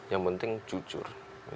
yang penting jujur